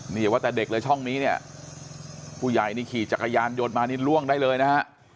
ไม่ว่าโดยเด็กหรือช่องนี้เนี่ยผู้ใหญ่นี้ขี่จากกระยาญโยนมานิดล่วงได้เลยนะ